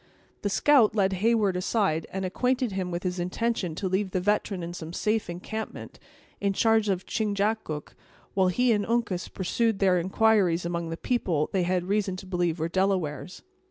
The scout led Heyward aside, and acquainted him with his intention to leave the veteran in some safe encampment, in charge of Chingachgook, while he and Uncas pursued their inquires among the people they had reason to believe were Delawares.